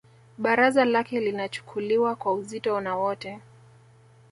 Baraza lake linachukuliwa kwa uzito na wote